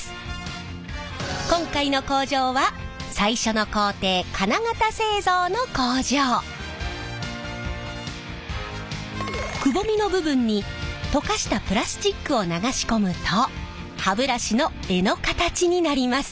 今回の工場は最初の工程くぼみの部分に溶かしたプラスチックを流し込むと歯ブラシの柄の形になります。